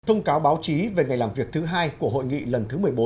thông cáo báo chí về ngày làm việc thứ hai của hội nghị lần thứ một mươi bốn